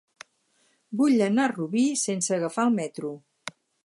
Vull anar a Rubí sense agafar el metro.